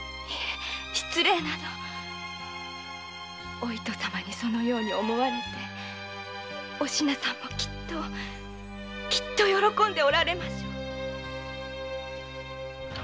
お糸様にそのように思われてお品さんもきっときっと喜んでおられましょう。